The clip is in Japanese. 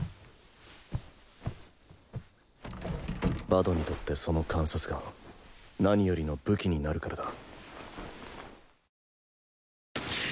バドにとってその観察眼何よりの武器になるからだ